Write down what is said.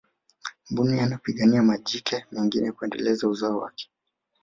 mbuni anapigania majike mengine kuendeleza uzao wake